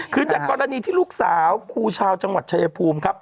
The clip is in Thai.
คือจากกรณีที่ลูกสาวครูชาวจังหวัดชายภูมิครับ